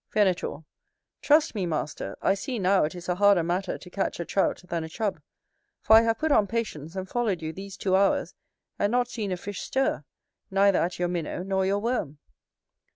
Venator. Trust me, master, I see now it is a harder matter to catch a Trout than a Chub; for I have put on patience, and followed you these two hours, and not seen a fish stir, neither at your minnow nor your worm.